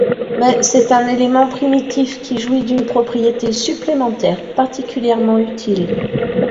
Mais c'est un élément primitif qui jouit d'une propriété supplémentaire particulièrement utile.